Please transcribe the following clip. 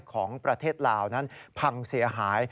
ของประเทศลาวนั้นพังเสียหาย